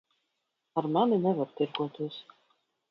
Ar mani nevar tirgoties.